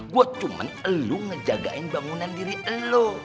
gue cuman elu ngejagain bangunan diri elu